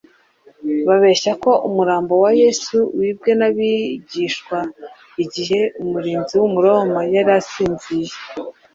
babeshya ko umurambo wa Yesu wibwe n’abigishwa igihe umurinzi w’umuroma yari asinziye.